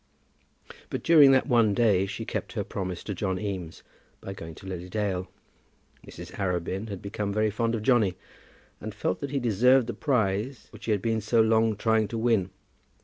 But during that one day she kept her promise to John Eames by going to Lily Dale. Mrs. Arabin had become very fond of Johnny, and felt that he deserved the prize which he had been so long trying to win.